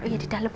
oh iya di dalam